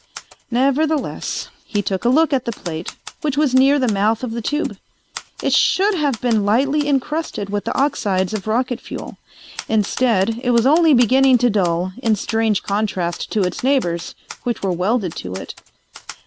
Nevertheless he took a look at the plate, which was near the mouth of the tube. It should have been lightly encrusted with the oxides of rocket fuel. Instead, it was only beginning to dull, in strange contrast to its neighbors which were welded to it.